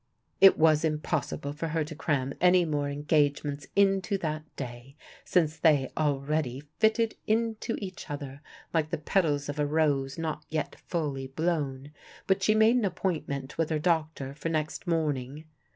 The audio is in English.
It was impossible for her to cram any more engagements into that day, since they already fitted into each other like the petals of a rose not yet fully blown, but she made an appointment with her doctor for next morning.